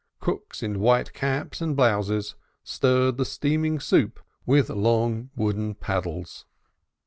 Cooks in white caps and blouses stirred the steaming soup with long wooden paddles.